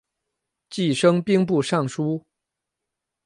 继升兵部尚书。